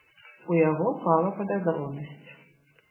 У яго пала падазронасць.